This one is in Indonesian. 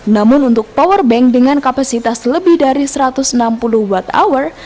namun untuk powerbank dengan kapasitas lebih dari satu ratus enam puluh watt hour